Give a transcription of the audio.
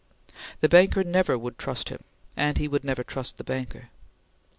The banker never would trust him, and he would never trust the banker.